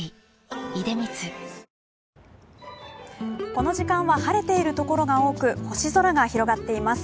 この時間は晴れているところが多く、星空が広がっています。